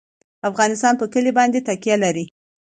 افغانستان په کلي باندې تکیه لري.